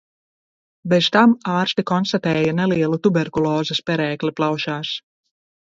Bez tam ārsti konstatēja nelielu tuberkulozes perēkli plaušās.